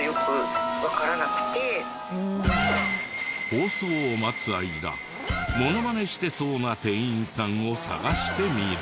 放送を待つ間モノマネしてそうな店員さんを探してみる。